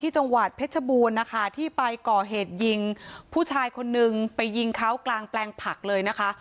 จังหวัดเพชรบูรณ์นะคะที่ไปก่อเหตุยิงผู้ชายคนนึงไปยิงเขากลางแปลงผักเลยนะคะ